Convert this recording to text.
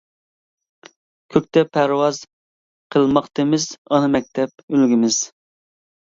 كۆكتە پەرۋاز قىلماقتىمىز، ئانا مەكتەپ ئۈلگىمىز.